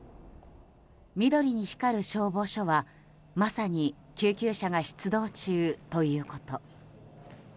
緑に光る消防署はまさに救急車が出動中ということ。